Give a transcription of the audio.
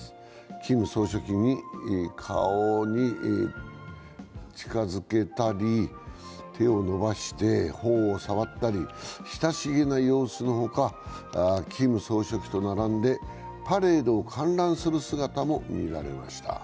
キム総書記に顔を近づけたり手を伸ばして頬を触ったり親しげな様子のほか、キム総書記と並んでパレードを観覧する姿も見られました。